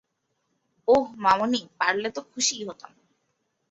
ওহ, মামুনি, পারলে খুশিই হতাম।